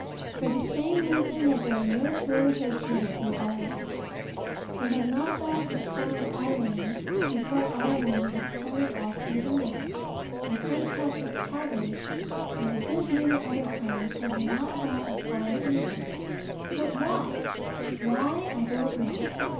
For the same reason that there are no toads or snakes in Ireland. They had not got as far as Ireland before Ireland was parted off from England. And St. Patrick's cabbage, and a good many other plants, had not got as far as England. But why? Why, I don't know.